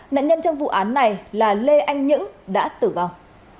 nạn nhân trong vụ án này là lê anh những đã tử vong